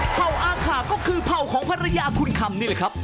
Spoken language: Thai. เผ่าอาขาก็คือเผ่าของภรรยาคุณคำนี่แหละครับ